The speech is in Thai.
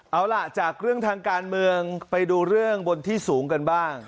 เอาล่ะจากเรื่องทางการเมืองไปดูเรื่องบนที่สูงกันบ้าง